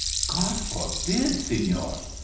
91 " God forbid Senor !